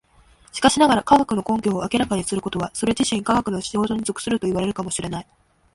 しかしながら、科学の根拠を明らかにすることはそれ自身科学の仕事に属するといわれるかも知れない。